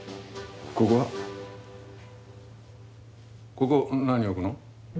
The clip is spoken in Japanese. ここ何置くの？